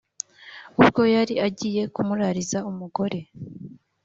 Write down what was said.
ubwo yari agiye kumurariza umugore